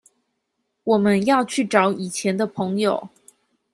我們要去找以前的朋友